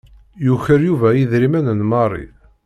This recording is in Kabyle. Yuker Yuba idrimen n Mary.